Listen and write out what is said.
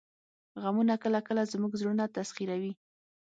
غمونه کله کله زموږ زړونه تسخیروي